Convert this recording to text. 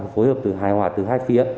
phối hợp từ hai hoạt từ hai phía